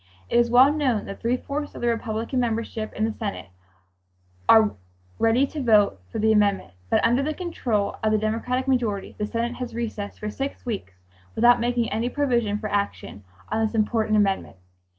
It is well known that three fourths of the Republican membership in the Senate are ready to vote for the amendment, but under the control of the Democratic majority the Senate has recessed for six weeks without making any provision for action on this important amendment.